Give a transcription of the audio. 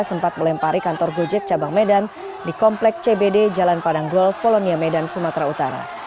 sempat melempari kantor gojek cabang medan di komplek cbd jalan padang golf polonia medan sumatera utara